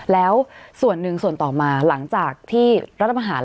แล้วส่วนหนึ่งหลังจากที่รัฐประหาร